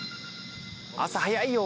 朝早いよ！